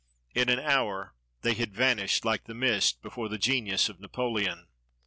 In an hour they had vanished hke the mist before the genius of Napoleon.